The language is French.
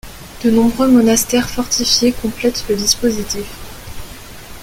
De nombreux monastères fortifiés complètent le dispositif.